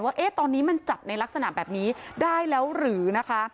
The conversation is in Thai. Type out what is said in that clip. ว่าตอนนี้มันจับในลักษณะแบบนี้ได้แล้วหรือนะคะ